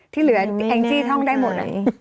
ที่เหลือแองจี้ท่องได้หมด